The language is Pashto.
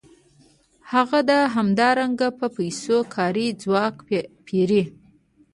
هغه همدارنګه په پیسو کاري ځواک پېري